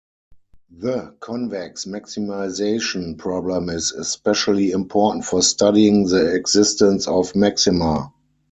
The convex maximization problem is especially important for studying the existence of maxima.